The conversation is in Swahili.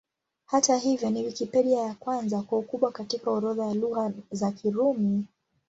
Hata hivyo, ni Wikipedia ya kwanza kwa ukubwa katika orodha ya Lugha za Kirumi.